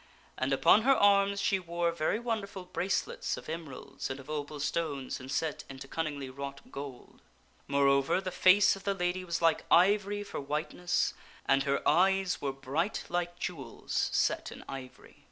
And upon her arms she wore very wonderful bracelets of emeralds and of opal THREE KNIGHTS ENCOUNTER THE LADY OF THE LAKE 251 stones inset into cunningly wrought gold. Moreover, the face of the lady was like ivory for whiteness and her eyes were bright like jewels set in ivory.